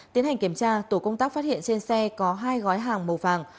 tiến hành kiểm tra tổ công tác phát hiện trên xe có hai gói hàng màu vàng